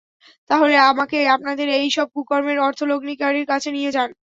তাহলে, আমাকে আপনাদের এইসব কুকর্মের অর্থলগ্নিকারীর কাছে নিয়ে যান।